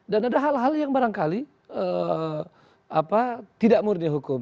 dan ada hal hal yang barangkali tidak murni hukum